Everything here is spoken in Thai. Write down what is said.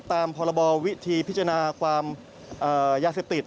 ตามพรบวิธีพิจารณาความยาเสพติด